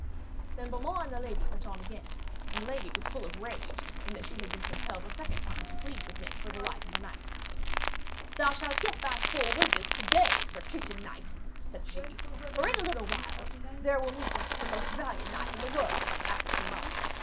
Then Beaumains and the lady went on again, and the lady was full of rage in that she had been compelled a second time to plead with him for the life of a knight. 'Thou shalt get thy full wages to day, sir kitchen knight,' said she, 'for in a little while there will meet us the most valiant knight in the world, after King Arthur.